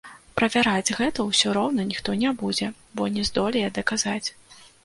Правяраць гэта ўсё роўна ніхто не будзе, бо не здолее даказаць.